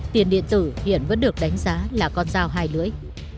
tiền điện tử hiện vẫn được đánh giá là con dao hai lưỡi